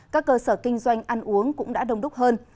các cơ sở kinh doanh ăn uống cũng đã đông đúc hơn